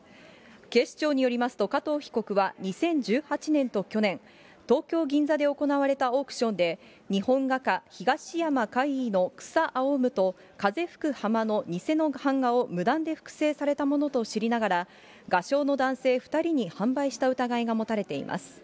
警視庁によりますと、加藤被告は２０１８年と去年、東京・銀座で行われたオークションで日本画家、東山魁夷の草青むと風吹く浜の偽の版画を無断で複製されたものと知りながら、画商の男性２人に販売した疑いが持たれています。